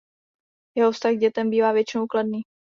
Jeho vztah k dětem bývá většinou kladný.